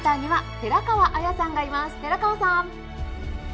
寺川さん。